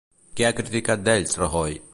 Què ha criticat d'ells Rajoy?